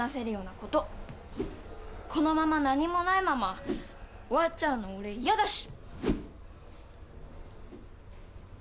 このまま何もないまま終わっちゃうの俺嫌だし。